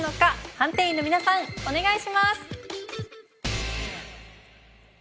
判定員の皆さんお願いします。